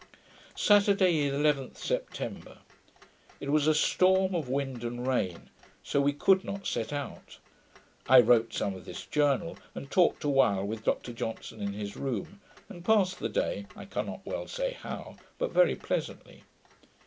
Saturday, 11th September It was a storm of wind and rain; so we could not set out. I wrote some of this Journal, and talked awhile with Dr Johnson in his room, and passed the day, I cannot well say how, but very pleasantly.